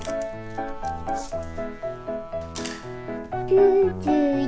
９１。